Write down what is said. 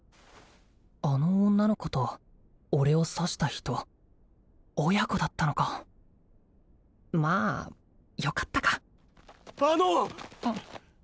あの女の子と俺を刺した人親子だったのかまあよかったか・あの！